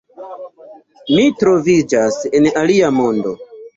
Mi troviĝas en alia mondo.